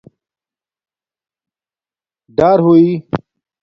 ڈار ہوئ